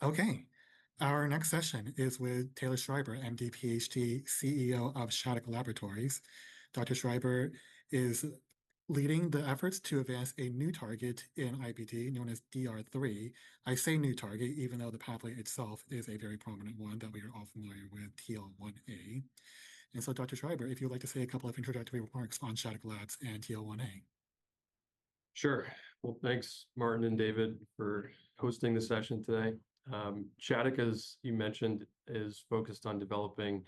Okay, our next session is with Taylor Schreiber, MD, PhD, CEO of Shattuck Laboratories. Dr. Schreiber is leading the efforts to advance a new target in IBD known as DR3. I say new target, even though the pathway itself is a very prominent one that we are all familiar with, TL1A. And so, Dr. Schreiber, if you'd like to say a couple of introductory remarks on Shattuck Labs and TL1A. Sure, well, thanks, Martin and David, for hosting the session today. Shattuck, as you mentioned, is focused on developing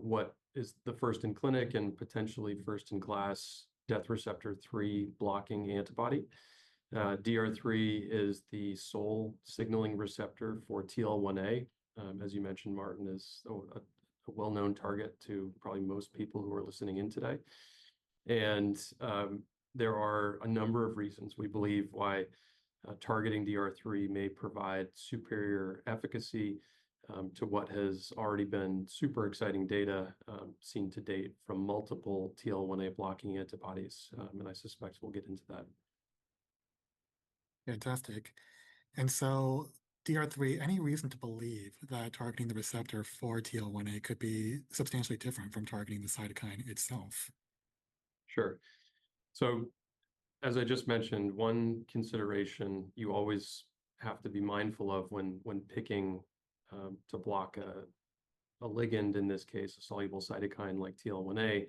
what is the first in clinic and potentially first in class death receptor 3 blocking antibody. DR3 is the sole signaling receptor for TL1A. As you mentioned, Martin is a well-known target to probably most people who are listening in today, and there are a number of reasons we believe why targeting DR3 may provide superior efficacy to what has already been super exciting data seen to date from multiple TL1A blocking antibodies, and I suspect we'll get into that. Fantastic. And so, DR3, any reason to believe that targeting the receptor for TL1A could be substantially different from targeting the cytokine itself? Sure. so, as I just mentioned, one consideration you always have to be mindful of when picking to block a ligand, in this case, a soluble cytokine like TL1A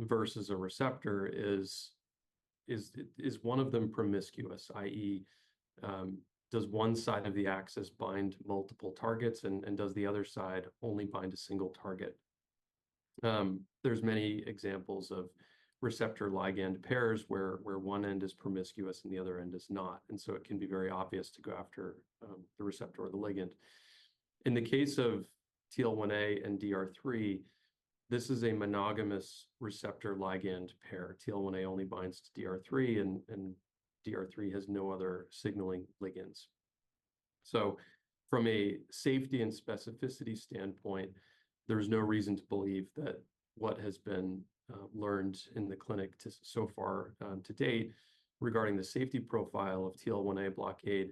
versus a receptor, is one of them promiscuous, i.e., does one side of the axis bind multiple targets, and does the other side only bind a single target? There's many examples of receptor ligand pairs where one end is promiscuous and the other end is not. and so it can be very obvious to go after the receptor or the ligand. In the case of TL1A and DR3, this is a monogamous receptor ligand pair. TL1A only binds to DR3, and DR3 has no other signaling ligands. So, from a safety and specificity standpoint, there's no reason to believe that what has been learned in the clinic so far to date regarding the safety profile of TL1A blockade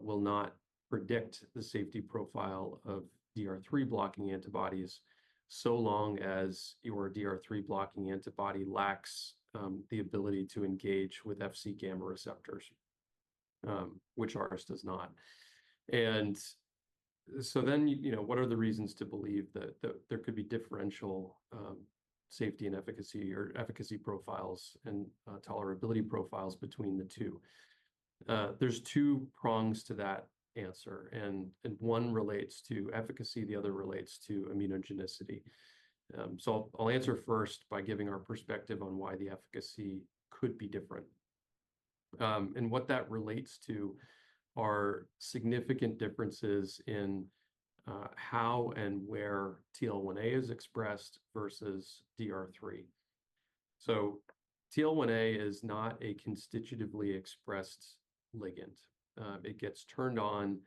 will not predict the safety profile of DR3 blocking antibodies so long as your DR3 blocking antibody lacks the ability to engage with Fc gamma receptors, which ours does not. And so then, you know, what are the reasons to believe that there could be differential safety and efficacy or efficacy profiles and tolerability profiles between the two? There's two prongs to that answer. And one relates to efficacy, the other relates to immunogenicity. So I'll answer first by giving our perspective on why the efficacy could be different. And what that relates to are significant differences in how and where TL1A is expressed versus DR3. So TL1A is not a constitutively expressed ligand. It gets turned on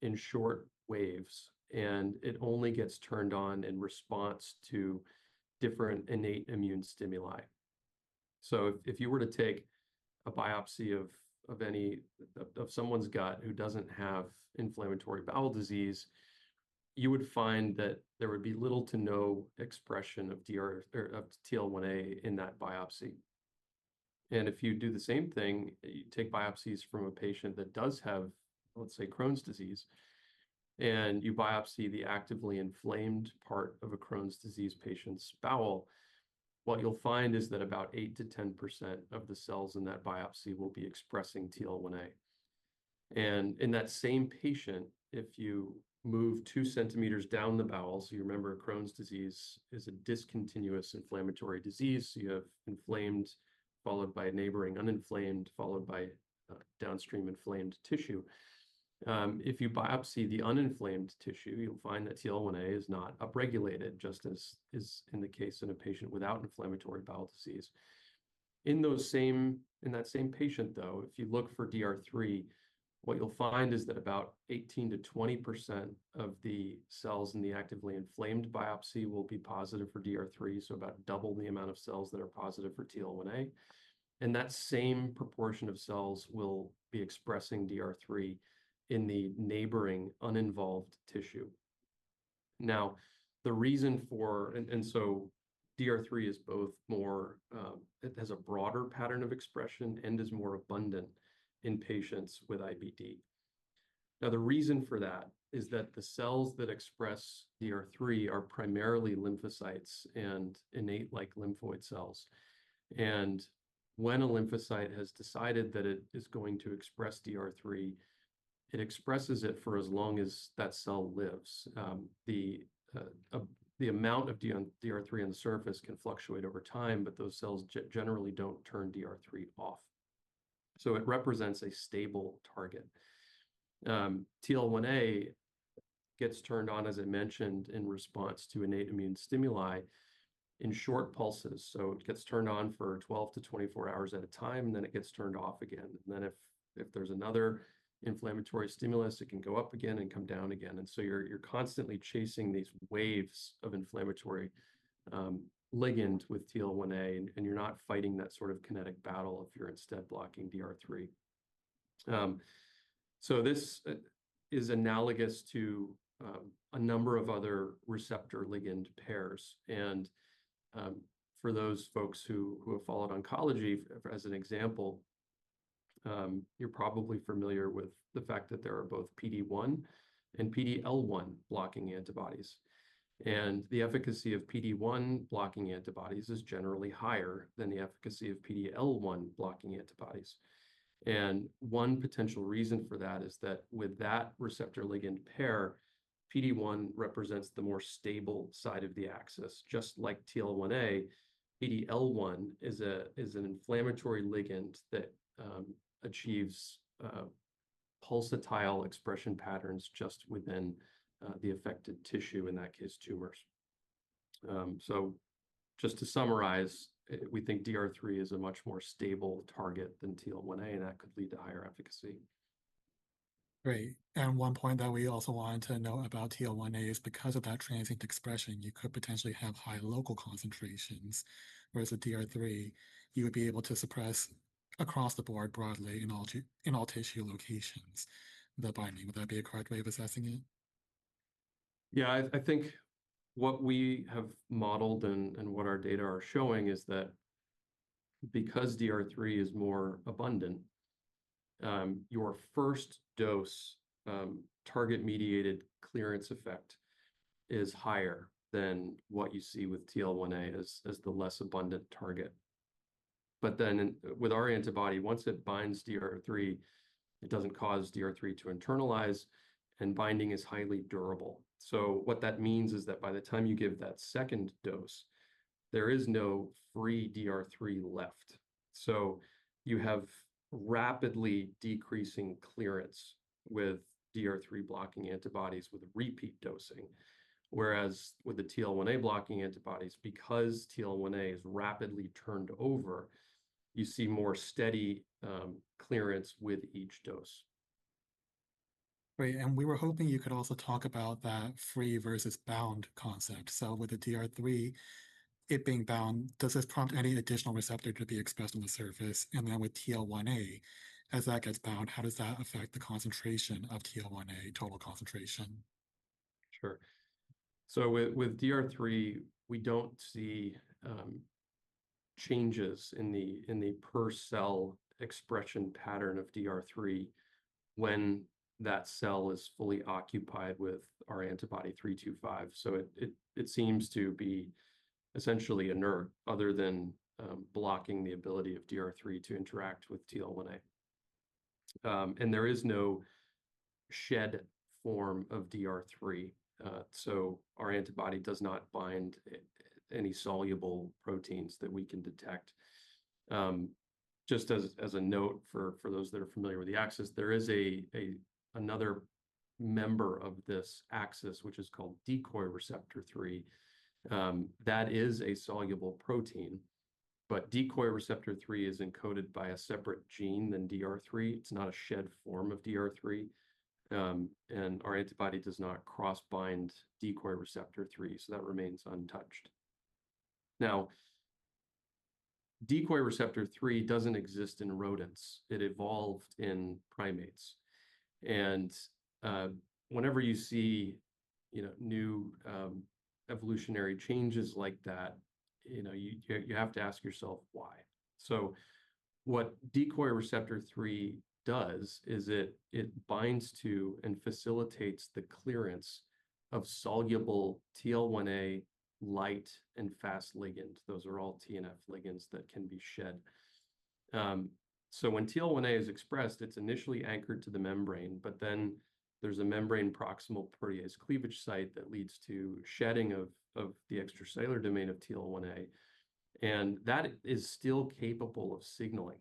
in short waves, and it only gets turned on in response to different innate immune stimuli. So if you were to take a biopsy of someone's gut who doesn't have inflammatory bowel disease, you would find that there would be little to no expression of TL1A in that biopsy. And if you do the same thing, you take biopsies from a patient that does have, let's say, Crohn's disease, and you biopsy the actively inflamed part of a Crohn's disease patient's bowel, what you'll find is that about 8%-10% of the cells in that biopsy will be expressing TL1A. And in that same patient, if you move 2 cm down the bowel, so you remember Crohn's disease is a discontinuous inflammatory disease, so you have inflamed followed by neighboring uninflamed followed by downstream inflamed tissue. If you biopsy the uninflamed tissue, you'll find that TL1A is not upregulated, just as is in the case in a patient without inflammatory bowel disease. In that same patient, though, if you look for DR3, what you'll find is that about 18%-20% of the cells in the actively inflamed biopsy will be positive for DR3, so about double the amount of cells that are positive for TL1A, and that same proportion of cells will be expressing DR3 in the neighboring uninvolved tissue. Now, the reason for, and so DR3 is both more, it has a broader pattern of expression and is more abundant in patients with IBD. Now, the reason for that is that the cells that express DR3 are primarily lymphocytes and innate-like lymphoid cells. And when a lymphocyte has decided that it is going to express DR3, it expresses it for as long as that cell lives. The amount of DR3 on the surface can fluctuate over time, but those cells generally don't turn DR3 off. So it represents a stable target. TL1A gets turned on, as I mentioned, in response to innate immune stimuli in short pulses. So it gets turned on for 12-24 hours at a time, and then it gets turned off again. And then if there's another inflammatory stimulus, it can go up again and come down again. And so you're constantly chasing these waves of inflammatory ligand with TL1A, and you're not fighting that sort of kinetic battle if you're instead blocking DR3. So this is analogous to a number of other receptor ligand pairs. And for those folks who have followed oncology, as an example, you're probably familiar with the fact that there are both PD-1 and PD-L1 blocking antibodies. And the efficacy of PD-1 blocking antibodies is generally higher than the efficacy of PD-L1 blocking antibodies. And one potential reason for that is that with that receptor ligand pair, PD-1 represents the more stable side of the axis. Just like TL1A, PD-L1 is an inflammatory ligand that achieves pulsatile expression patterns just within the affected tissue, in that case, tumors. So just to summarize, we think DR3 is a much more stable target than TL1A, and that could lead to higher efficacy. Great. And one point that we also wanted to note about TL1A is because of that transient expression, you could potentially have high local concentrations, whereas with DR3, you would be able to suppress across the board broadly in all tissue locations. The binding. Would that be a correct way of assessing it? Yeah, I think what we have modeled and what our data are showing is that because DR3 is more abundant, your first dose target-mediated clearance effect is higher than what you see with TL1A as the less abundant target. But then with our antibody, once it binds DR3, it doesn't cause DR3 to internalize, and binding is highly durable. So what that means is that by the time you give that second dose, there is no free DR3 left. So you have rapidly decreasing clearance with DR3 blocking antibodies with repeat dosing, whereas with the TL1A blocking antibodies, because TL1A is rapidly turned over, you see more steady clearance with each dose. Great, and we were hoping you could also talk about that free versus bound concept, so with the DR3, it being bound, does this prompt any additional receptor to be expressed on the surface? And then with TL1A, as that gets bound, how does that affect the concentration of TL1A, total concentration? Sure. So with DR3, we don't see changes in the per-cell expression pattern of DR3 when that cell is fully occupied with our antibody 325. So it seems to be essentially inert other than blocking the ability of DR3 to interact with TL1A. And there is no shed form of DR3. So our antibody does not bind any soluble proteins that we can detect. Just as a note for those that are familiar with the axis, there is another member of this axis, which is called decoy receptor 3. That is a soluble protein, but decoy receptor 3 is encoded by a separate gene than DR3. It's not a shed form of DR3. And our antibody does not cross-bind decoy receptor 3, so that remains untouched. Now, decoy receptor 3 doesn't exist in rodents. It evolved in primates. And whenever you see new evolutionary changes like that, you have to ask yourself why. So what decoy receptor 3 does is it binds to and facilitates the clearance of soluble TL1A-like TNF ligand. Those are all TNF ligands that can be shed. So when TL1A is expressed, it's initially anchored to the membrane, but then there's a membrane-proximal protease cleavage site that leads to shedding of the extracellular domain of TL1A. And that is still capable of signaling.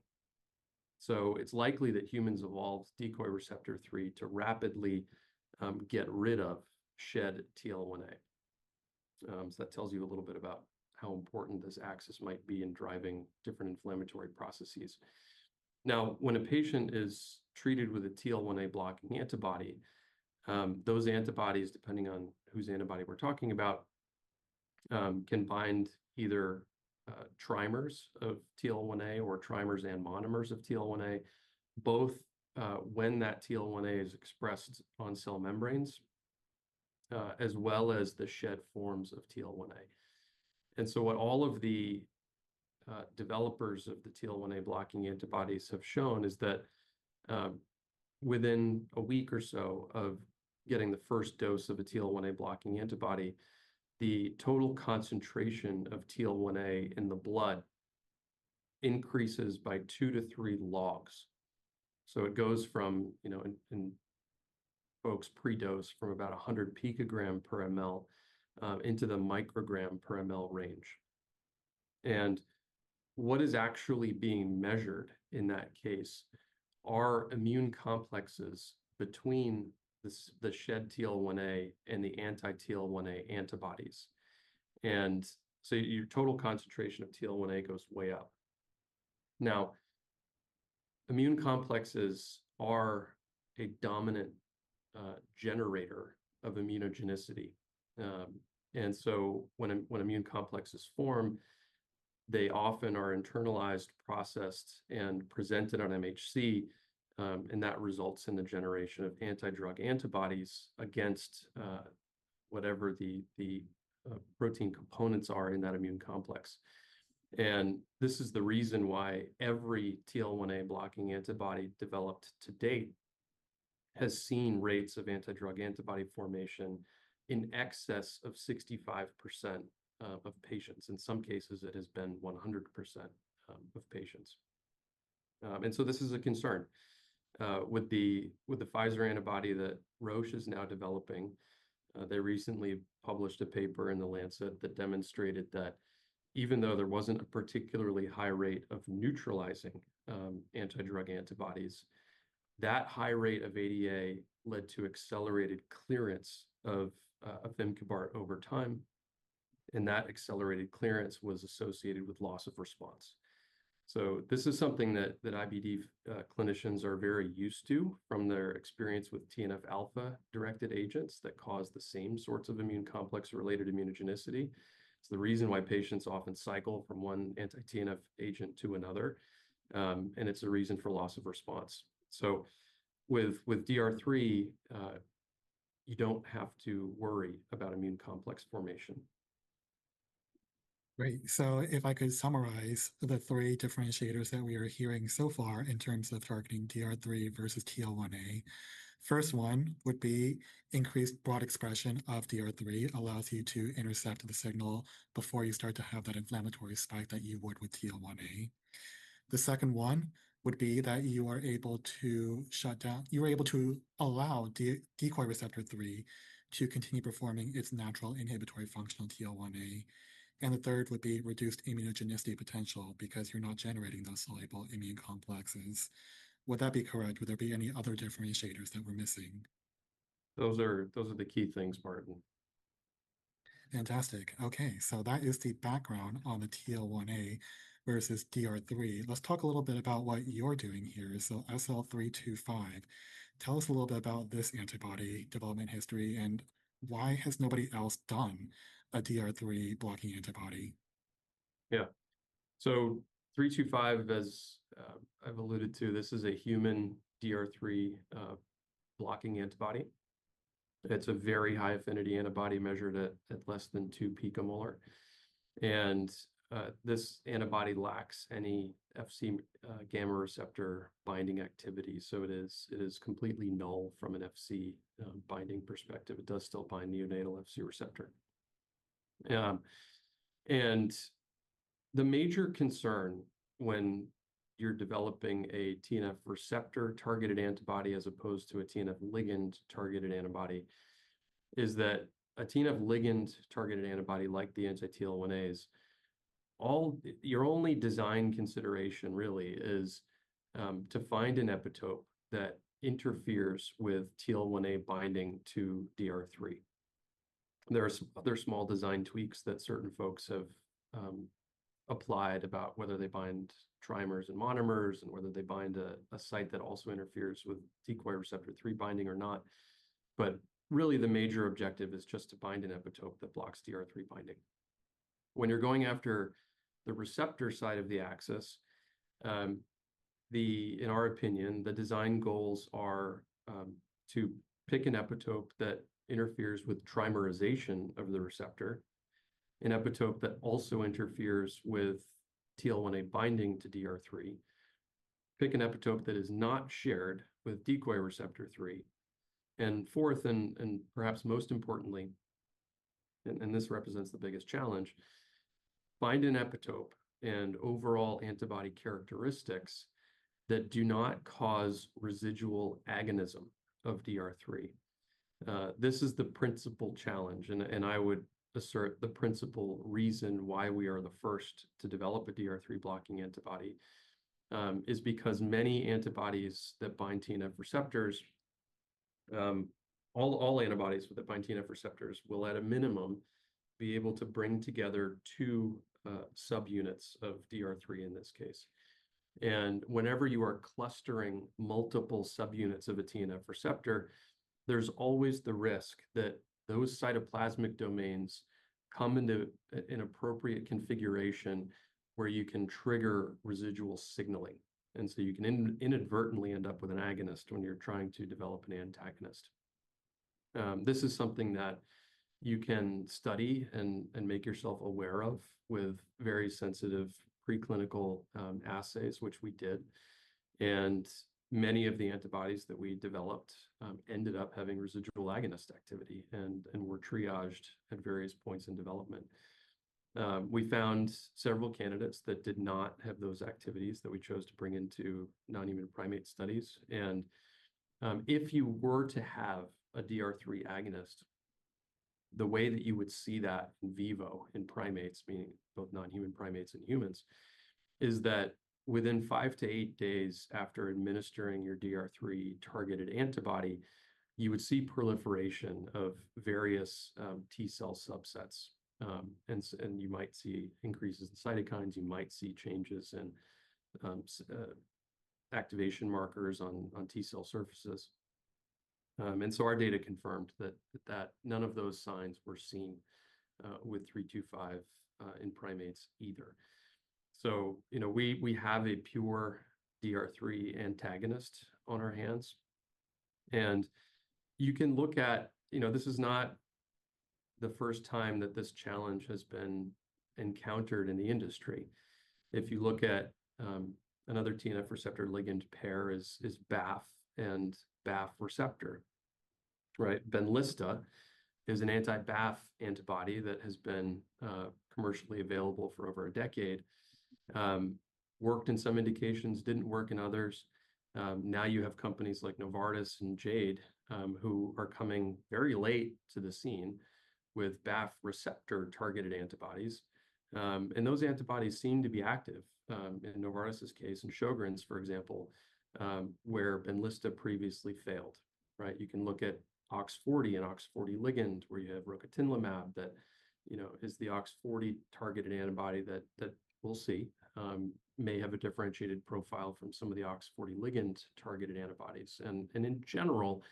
So it's likely that humans evolved decoy receptor 3 to rapidly get rid of shed TL1A. So that tells you a little bit about how important this axis might be in driving different inflammatory processes. Now, when a patient is treated with a TL1A blocking antibody, those antibodies, depending on whose antibody we're talking about, can bind either trimers of TL1A or trimers and monomers of TL1A, both when that TL1A is expressed on cell membranes as well as the shed forms of TL1A. And so what all of the developers of the TL1A blocking antibodies have shown is that within a week or so of getting the first dose of a TL1A blocking antibody, the total concentration of TL1A in the blood increases by 2-3 logs. So it goes from folks predose from about 100 picogram per mL into the microgram per mL range. And what is actually being measured in that case are immune complexes between the shed TL1A and the anti-TL1A antibodies. And so your total concentration of TL1A goes way up. Now, immune complexes are a dominant generator of immunogenicity, and so when immune complexes form, they often are internalized, processed, and presented on MHC, and that results in the generation of antidrug antibodies against whatever the protein components are in that immune complex, and this is the reason why every TL1A blocking antibody developed to date has seen rates of antidrug antibody formation in excess of 65% of patients. In some cases, it has been 100% of patients, and so this is a concern. With the Pfizer antibody that Roche is now developing, they recently published a paper in The Lancet that demonstrated that even though there wasn't a particularly high rate of neutralizing antidrug antibodies, that high rate of ADA led to accelerated clearance of Afimcobart over time, and that accelerated clearance was associated with loss of response. So this is something that IBD clinicians are very used to from their experience with TNF alpha-directed agents that cause the same sorts of immune complex-related immunogenicity. It's the reason why patients often cycle from one anti-TNF agent to another. And it's a reason for loss of response. So with DR3, you don't have to worry about immune complex formation. Great. So if I could summarize the three differentiators that we are hearing so far in terms of targeting DR3 versus TL1A, first one would be increased broad expression of DR3 allows you to intercept the signal before you start to have that inflammatory spike that you would with TL1A. The second one would be that you are able to shut down, you're able to allow decoy receptor 3 to continue performing its natural inhibitory function on TL1A. And the third would be reduced immunogenicity potential because you're not generating those soluble immune complexes. Would that be correct? Would there be any other differentiators that we're missing? Those are the key things, Martin. Fantastic. Okay. So that is the background on the TL1A versus DR3. Let's talk a little bit about what you're doing here. So SL-325, tell us a little bit about this antibody development history and why has nobody else done a DR3 blocking antibody? Yeah. So 325, as I've alluded to, this is a human DR3 blocking antibody. It's a very high affinity antibody measured at less than two picomolar. And this antibody lacks any Fc gamma receptor binding activity. So it is completely null from an Fc binding perspective. It does still bind neonatal Fc receptor. And the major concern when you're developing a TNF receptor-targeted antibody as opposed to a TNF ligand-targeted antibody is that a TNF ligand-targeted antibody like the anti-TL1As, your only design consideration really is to find an epitope that interferes with TL1A binding to DR3. There are other small design tweaks that certain folks have applied about whether they bind trimers and monomers and whether they bind a site that also interferes with decoy receptor 3 binding or not. But really, the major objective is just to bind an epitope that blocks DR3 binding. When you're going after the receptor side of the axis, in our opinion, the design goals are to pick an epitope that interferes with trimerization of the receptor, an epitope that also interferes with TL1A binding to DR3, pick an epitope that is not shared with decoy receptor 3, and fourth, and perhaps most importantly, and this represents the biggest challenge, find an epitope and overall antibody characteristics that do not cause residual agonism of DR3. This is the principal challenge, and I would assert the principal reason why we are the first to develop a DR3 blocking antibody is because many antibodies that bind TNF receptors, all antibodies that bind TNF receptors, will at a minimum be able to bring together two subunits of DR3 in this case. Whenever you are clustering multiple subunits of a TNF receptor, there's always the risk that those cytoplasmic domains come into an appropriate configuration where you can trigger residual signaling. So you can inadvertently end up with an agonist when you're trying to develop an antagonist. This is something that you can study and make yourself aware of with very sensitive preclinical assays, which we did. Many of the antibodies that we developed ended up having residual agonist activity and were triaged at various points in development. We found several candidates that did not have those activities that we chose to bring into non-human primate studies. And if you were to have a DR3 agonist, the way that you would see that in vivo, in primates, meaning both non-human primates and humans, is that within 5-8 days after administering your DR3 targeted antibody, you would see proliferation of various T cell subsets. And you might see increases in cytokines. You might see changes in activation markers on T cell surfaces. And so our data confirmed that none of those signs were seen with 325 in primates either. So we have a pure DR3 antagonist on our hands. And you can look at this. This is not the first time that this challenge has been encountered in the industry. If you look at another TNF receptor ligand pair, BAF and BAF receptor, right? Benlysta is an anti-BAF antibody that has been commercially available for over a decade, worked in some indications, didn't work in others. Now you have companies like Novartis and Jade who are coming very late to the scene with BAF receptor-targeted antibodies. And those antibodies seem to be active in Novartis's case and Sjögren's, for example, where Benlysta previously failed, right? You can look at OX40/OX40 ligand where you have rocatinlimab that is the OX40 targeted antibody that we'll see may have a differentiated profile from some of the OX40 ligand-targeted antibodies. And in general,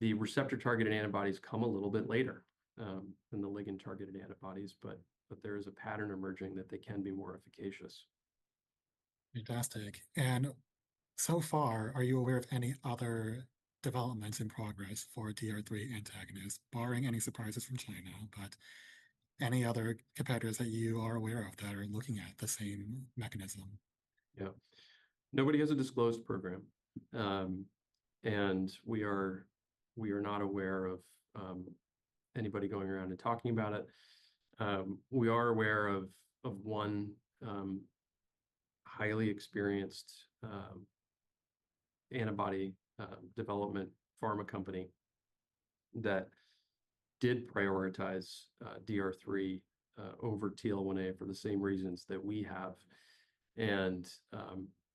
the receptor-targeted antibodies come a little bit later than the ligand-targeted antibodies, but there is a pattern emerging that they can be more efficacious. Fantastic, and so far, are you aware of any other developments in progress for DR3 antagonists, barring any surprises from China, but any other competitors that you are aware of that are looking at the same mechanism? Yeah. Nobody has a disclosed program. And we are not aware of anybody going around and talking about it. We are aware of one highly experienced antibody development pharma company that did prioritize DR3 over TL1A for the same reasons that we have. And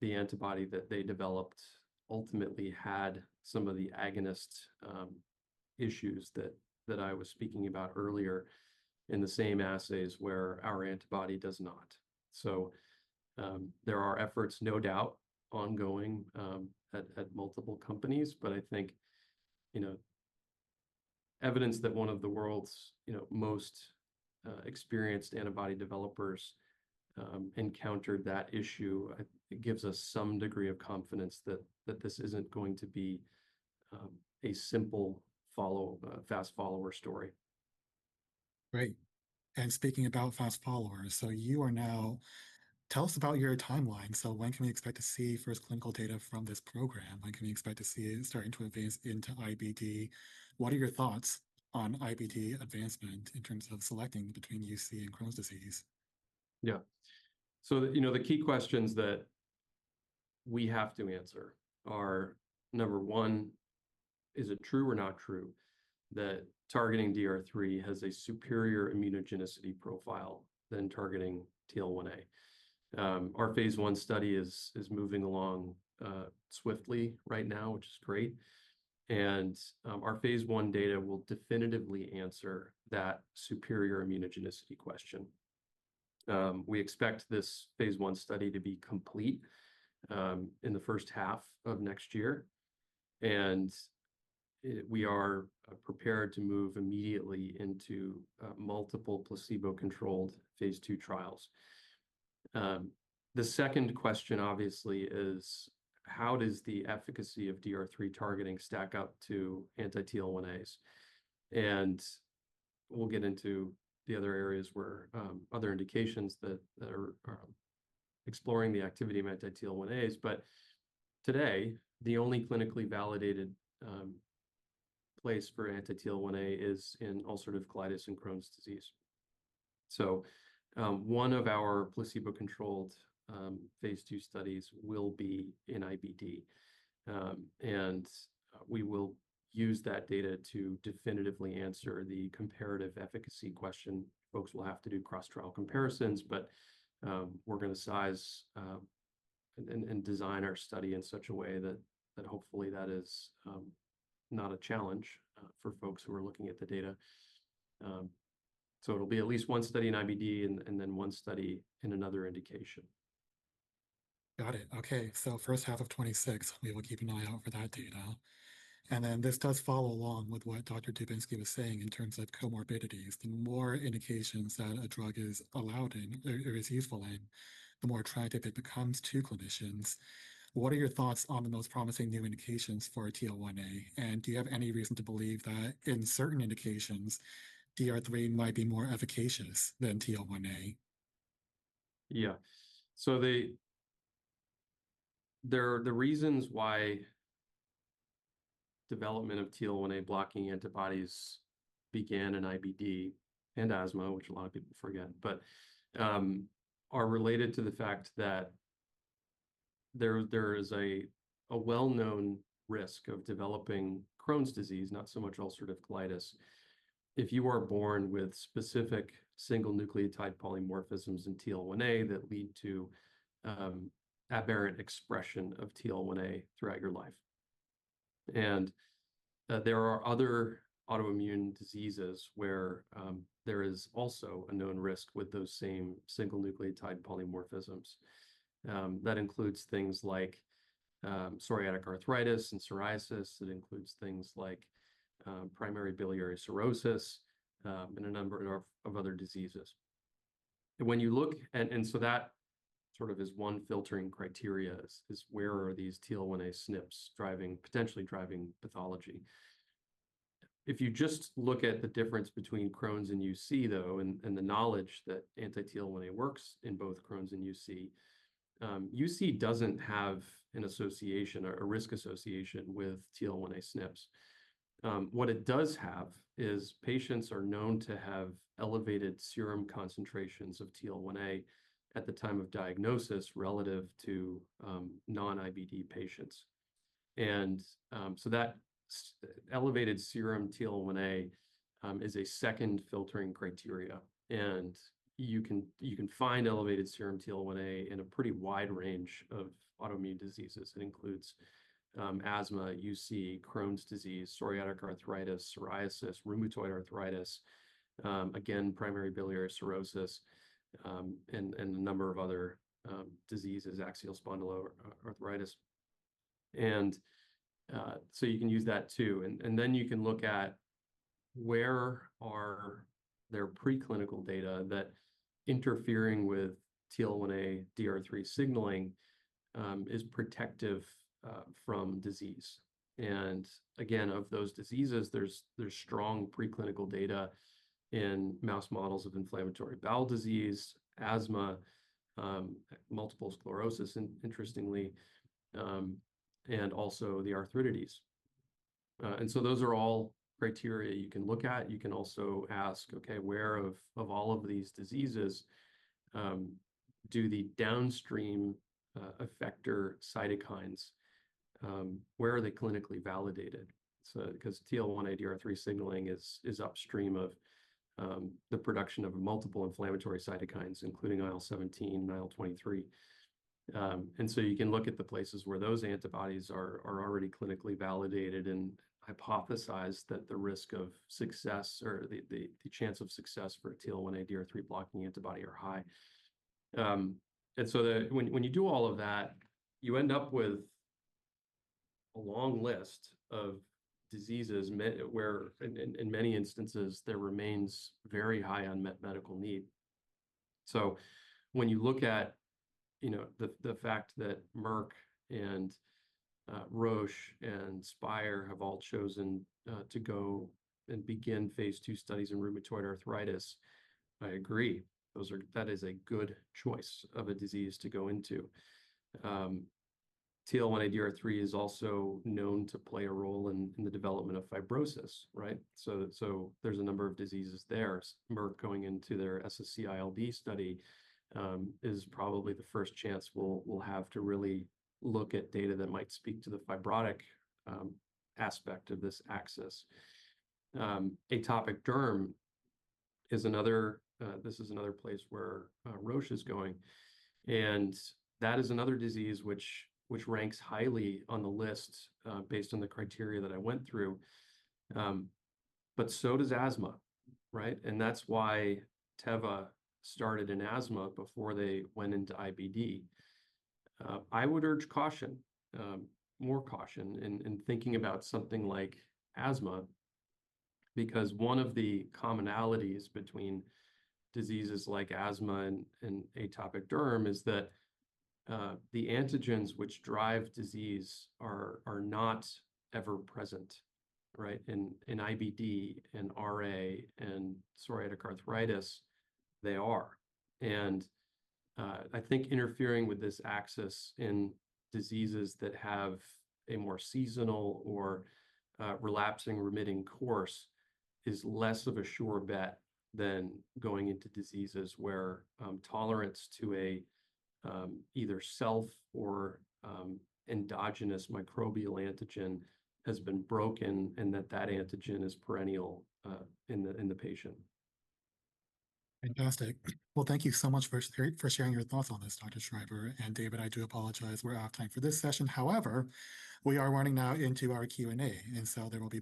the antibody that they developed ultimately had some of the agonist issues that I was speaking about earlier in the same assays where our antibody does not. So there are efforts, no doubt, ongoing at multiple companies. But I think evidence that one of the world's most experienced antibody developers encountered that issue gives us some degree of confidence that this isn't going to be a simple fast follower story. Great. And speaking about fast followers, so you are now, tell us about your timeline. So when can we expect to see first clinical data from this program? When can we expect to see it starting to advance into IBD? What are your thoughts on IBD advancement in terms of selecting between UC and Crohn's disease? Yeah. So the key questions that we have to answer are, number one, is it true or not true that targeting DR3 has a superior immunogenicity profile than targeting TL1A? Our phase I study is moving along swiftly right now, which is great. And our phase I data will definitively answer that superior immunogenicity question. We expect this phase I study to be complete in the first half of next year. And we are prepared to move immediately into multiple placebo-controlled phase II trials. The second question, obviously, is how does the efficacy of DR3 targeting stack up to anti-TL1As? And we'll get into the other areas where other indications that are exploring the activity of anti-TL1As. But today, the only clinically validated place for anti-TL1A is in ulcerative colitis and Crohn's disease. So one of our placebo-controlled phase II studies will be in IBD. And we will use that data to definitively answer the comparative efficacy question. Folks will have to do cross-trial comparisons, but we're going to size and design our study in such a way that hopefully that is not a challenge for folks who are looking at the data. So it'll be at least one study in IBD and then one study in another indication. Got it. Okay. So first half of 2026, we will keep an eye out for that data. And then this does follow along with what Dr. Dubinsky was saying in terms of comorbidities. The more indications that a drug is allowed in, it is useful in, the more attractive it becomes to clinicians. What are your thoughts on the most promising new indications for TL1A? And do you have any reason to believe that in certain indications, DR3 might be more efficacious than TL1A? Yeah, so the reasons why development of TL1A blocking antibodies began in IBD and asthma, which a lot of people forget, but are related to the fact that there is a well-known risk of developing Crohn's disease, not so much ulcerative colitis, if you are born with specific single nucleotide polymorphisms in TL1A that lead to aberrant expression of TL1A throughout your life, and there are other autoimmune diseases where there is also a known risk with those same single nucleotide polymorphisms. That includes things like psoriatic arthritis and psoriasis. It includes things like primary biliary cirrhosis and a number of other diseases, and when you look, and so that sort of is one filtering criteria is where are these TL1A SNPs potentially driving pathology. If you just look at the difference between Crohn's and UC, though, and the knowledge that anti-TL1A works in both Crohn's and UC, UC doesn't have an association, a risk association with TL1A SNPs. What it does have is patients are known to have elevated serum concentrations of TL1A at the time of diagnosis relative to non-IBD patients. And so that elevated serum TL1A is a second filtering criteria. And you can find elevated serum TL1A in a pretty wide range of autoimmune diseases. It includes asthma, UC, Crohn's disease, psoriatic arthritis, psoriasis, rheumatoid arthritis, again, primary biliary cirrhosis, and a number of other diseases, axial spondyloarthritis. And so you can use that too. And then you can look at where are there preclinical data that interfering with TL1A DR3 signaling is protective from disease. And again, of those diseases, there's strong preclinical data in mouse models of inflammatory bowel disease, asthma, multiple sclerosis, interestingly, and also the arthritides. And so those are all criteria you can look at. You can also ask, okay, where of all of these diseases do the downstream effector cytokines, where are they clinically validated? Because TL1A DR3 signaling is upstream of the production of multiple inflammatory cytokines, including IL-17 and IL-23. And so you can look at the places where those antibodies are already clinically validated and hypothesize that the risk of success or the chance of success for a TL1A DR3 blocking antibody are high. And so when you do all of that, you end up with a long list of diseases where, in many instances, there remains very high unmet medical need. So when you look at the fact that Merck and Roche and Spire have all chosen to go and begin phase ii studies in rheumatoid arthritis, I agree. That is a good choice of a disease to go into. TL1A DR3 is also known to play a role in the development of fibrosis, right? So there's a number of diseases there. Merck going into their SSC-ILD study is probably the first chance we'll have to really look at data that might speak to the fibrotic aspect of this axis. Atopic derm is another place where Roche is going. And that is another disease which ranks highly on the list based on the criteria that I went through. But so does asthma, right? And that's why Teva started in asthma before they went into IBD.` I would urge caution, more caution in thinking about something like asthma because one of the commonalities between diseases like asthma and atopic derm is that the antigens which drive disease are not ever present, right? In IBD and RA and psoriatic arthritis, they are. And I think interfering with this axis in diseases that have a more seasonal or relapsing-remitting course is less of a sure bet than going into diseases where tolerance to either self or endogenous microbial antigen has been broken and that that antigen is perennial in the patient. Fantastic. Well, thank you so much for sharing your thoughts on this, Dr. Schreiber. And David, I do apologize. We're out of time for this session. However, we are running now into our Q&A. And so there will be.